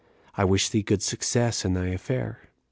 I wish thee good success in thy affair."